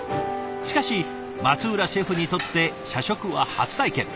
しかし松浦シェフにとって社食は初体験。